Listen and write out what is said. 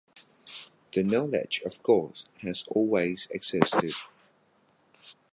The knowledge of God has always existed.